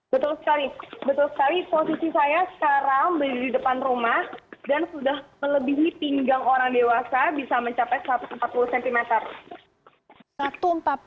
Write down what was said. betul sekali betul sekali posisi saya sekarang berada di depan rumah dan sudah melebihi pinggang orang dewasa bisa mencapai satu ratus empat puluh cm